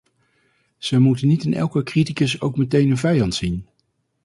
Zij moeten niet in elke criticus ook meteen een vijand zien.